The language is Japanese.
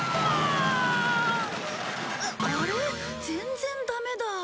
全然ダメだ。